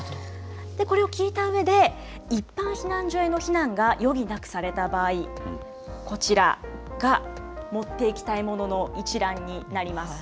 これを聞いたうえで、一般避難所への避難が余儀なくされた場合、こちらが持っていきたいものの一覧になります。